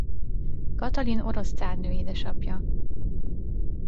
Katalin orosz cárnő édesapja.